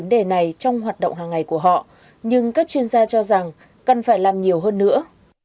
chúng tôi đã tìm ra những vấn đề này trong hoạt động hàng ngày của họ nhưng các chuyên gia cho rằng cần phải làm nhiều hơn nữa